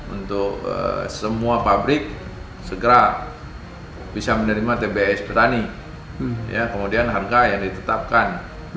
untuk semua pabrik segera bisa menerima tbs petani kemudian harga yang ditetapkan